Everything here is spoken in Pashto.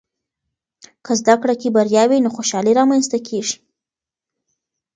که زده کړه کې بریا وي، نو خوشحالۍ رامنځته کېږي.